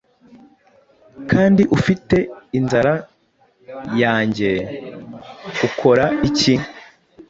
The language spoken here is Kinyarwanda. Kandi ufite inzara yanjye, ukora iki